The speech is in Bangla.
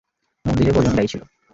মন্দিরে বজন গাইছিলো।